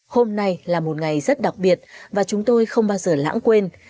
hôm nay là một ngày rất đặc biệt và chúng tôi không bao giờ lãng quên